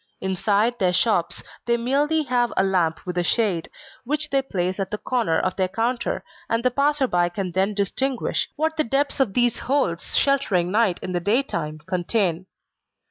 Inside their shops, they merely have a lamp with a shade, which they place at the corner of their counter, and the passer by can then distinguish what the depths of these holes sheltering night in the daytime, contain.